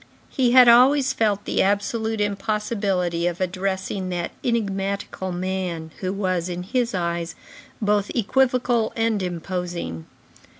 He had always felt the absolute impossibility of addressing that enigmatical man, who was, in his eyes, both equivocal and imposing.